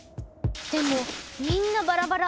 でもみんなバラバラ。